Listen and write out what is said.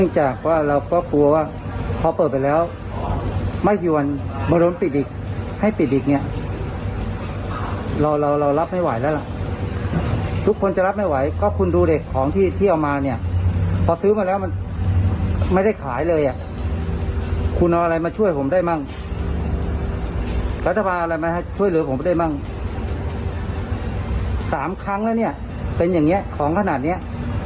ช่วยเหลือผมไปได้บ้างสามครั้งแล้วเนี่ยเป็นอย่างเงี้ยของขนาดเนี้ย